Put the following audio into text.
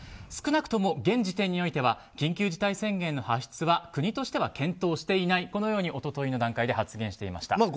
少なくとも現時点では緊急事態宣言の発出は国としては検討していないと一昨日の段階で発言していました。